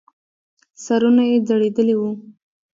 سرونه يې ځړېدلې وو.